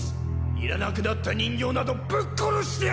いらなくなった人形などぶっ殺してやる！